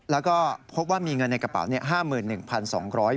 แล้วก็พบว่ามีเงินในกระเป๋าเนี่ย